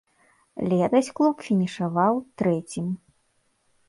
Летась клуб фінішаваў трэцім.